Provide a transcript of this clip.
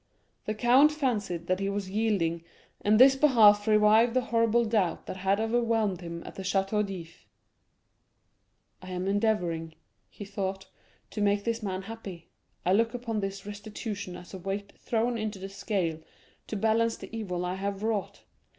The count fancied that he was yielding, and this belief revived the horrible doubt that had overwhelmed him at the Château d'If. "I am endeavoring," he thought, "to make this man happy; I look upon this restitution as a weight thrown into the scale to balance the evil I have wrought.